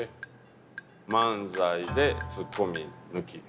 漫才でツッコミ抜き。